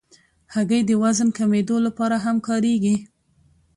هګۍ د وزن کمېدو لپاره هم کارېږي.